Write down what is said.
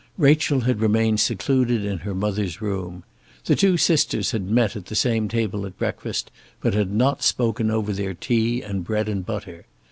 Rachel had remained secluded in her mother's room. The two sisters had met at the same table at breakfast, but had not spoken over their tea and bread and butter.